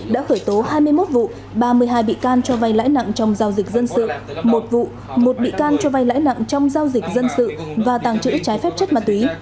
đã khởi tố hai mươi một vụ ba mươi hai bị can cho vay lãi nặng trong giao dịch dân sự một vụ một bị can cho vay lãi nặng trong giao dịch dân sự và tàng trữ trái phép chất ma túy